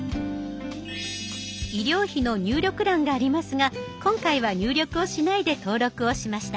医療費の入力欄がありますが今回は入力をしないで登録をしました。